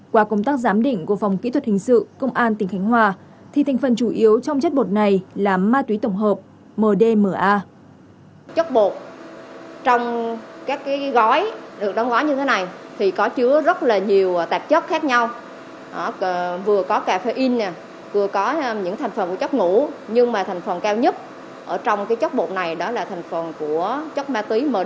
qua công tác giám định của phòng kỹ thuật hình sự công an tỉnh khánh hòa thì thành phần chủ yếu trong chất bột này là ma túy tổng hợp mdma